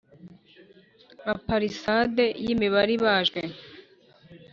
nka palisade yimibare ibajwe